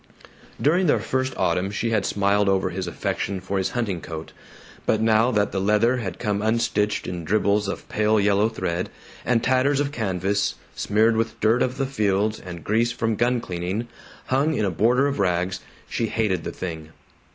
During their first autumn she had smiled over his affection for his hunting coat, but now that the leather had come unstitched in dribbles of pale yellow thread, and tatters of canvas, smeared with dirt of the fields and grease from gun cleaning, hung in a border of rags, she hated the thing.